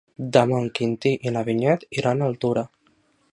Demà en Quintí i na Vinyet iran a Altura.